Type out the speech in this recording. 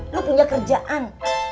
lu punya kerjaan